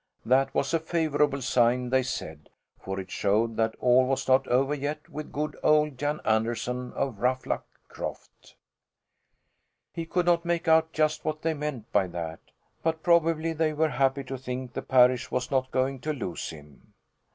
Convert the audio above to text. That was a favourable sign, they said, for it showed that all was not over yet with good old Jan Anderson of Ruffluck Croft. He could not make out just what they meant by that; but probably they were happy to think the parish was not going to lose him.